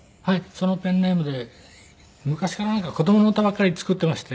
そのペンネームで昔から子供の歌ばかり作っていまして。